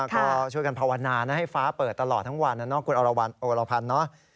ก็ช่วยกันภาวนาให้ฟ้าเปิดตลอดทั้งวันคุณออรพันธ์